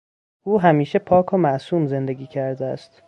او همیشه پاک و معصوم زندگی کرده است.